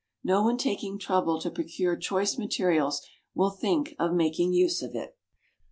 No one taking trouble to procure choice materials will think of making use of it.